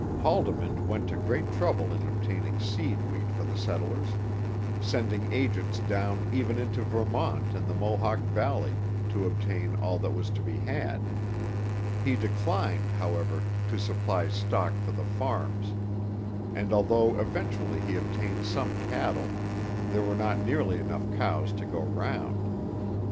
Haldimand went to great trouble in obtaining seed wheat for the settlers, sending agents down even into Vermont and the Mohawk valley to obtain all that was to be had; he declined, however, to supply stock for the farms, and although eventually he obtained some cattle, there were not nearly enough cows to go round.